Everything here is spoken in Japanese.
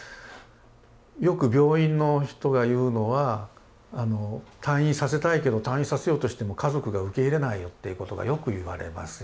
よく病院の人が言うのは退院させたいけど退院させようとしても家族が受け入れないよっていうことがよく言われますよね。